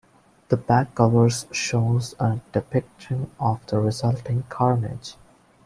The back cover shows a depiction of the resulting carnage.